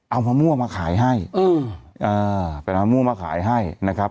เอามะม่วงมาขายให้อืมอ่าเป็นมะม่วงมาขายให้นะครับ